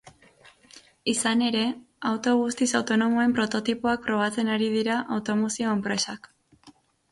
Izan ere, auto guztiz autonomoen prototipoak probatzen ari dira automozio enpresak.